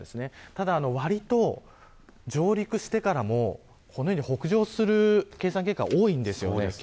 ただ、わりと上陸してからもこのように北上する計算結果が多いんです。